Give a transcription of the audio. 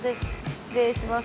失礼します。